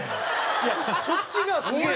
いやそっちがすげえ。